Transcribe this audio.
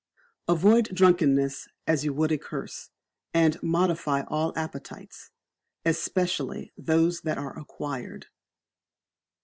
Avoid Drunkenness as you would a curse; and modify all appetites, especially those that are acquired.